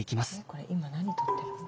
これ今何取ってるの？